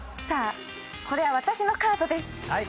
さあこれは私のカードです。